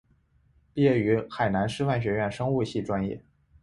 毕业于海南师范学院生物系专业。